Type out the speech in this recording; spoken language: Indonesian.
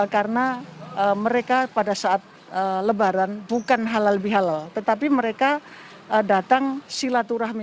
karena mereka pada saat lebaran bukan halal bihalal tetapi mereka datang silaturahmi